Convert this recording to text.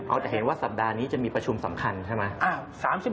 จะเห็นว่าสัปดาห์นี้จะมีประชุมสำคัญใช่ไหม